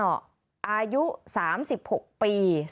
อายุ๓๖ปี